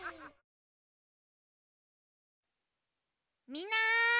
みんな！